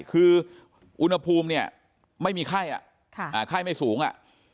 คืออุณหภูมิเนี่ยไม่มีไข้ไข้ไม่สูงอ่ะ